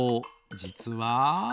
じつは。